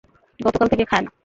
গতকাল থেকে খায়না।